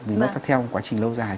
vì nó theo quá trình lâu dài